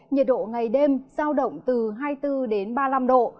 nhiệt độ ngày đêm giao động từ hai mươi bốn đến ba mươi năm độ